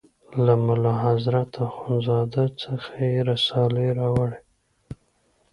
له ملا حضرت اخوند زاده څخه یې رسالې راوړې.